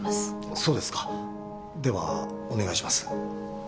そうですかではお願いします。